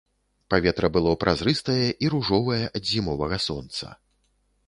Паветра было празрыстае і ружовае ад зімовага сонца.